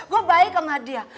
gue baik sama dia